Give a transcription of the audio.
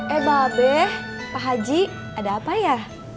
eh pak abe pak haji ada apa ya